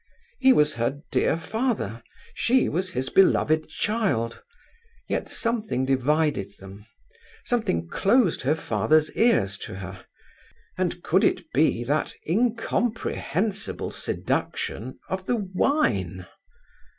He was her dear father: she was his beloved child: yet something divided them; something closed her father's ears to her: and could it be that incomprehensible seduction of the wine?